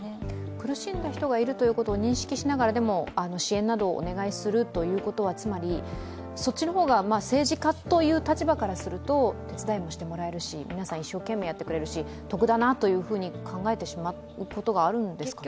苦しんでいる人がいることを認識しながら支援などをお願いするということはつまり、そっちの方が政治家という立場からすると、手伝いもしてもらえるし皆さん一生懸命やってくれるし得だなと考えてしまうことがあるんですかね。